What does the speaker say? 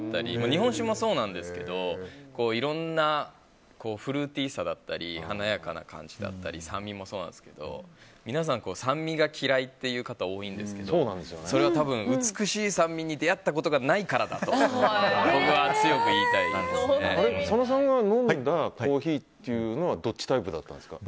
日本酒もそうなんですけどいろんなフルーティーさだったり華やかな感じだったり酸味もそうなんですけど皆さん、酸味が嫌いという方多いんですがそれは多分、美しい酸味に出会ったことがないからだと佐野さんが飲んだコーヒーはどっちタイプだったんですか？